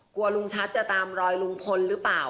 กลัวลุงชัดจะตามรอยลุงพลหรือเปล่า